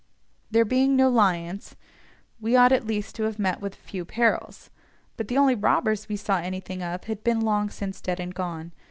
There being no "lions," we ought at least to have met with a few perils, but the only robbers we saw anything of had been long since dead and gone.